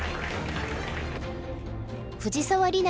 藤沢里菜